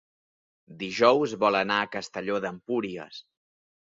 Dijous vol anar a Castelló d'Empúries.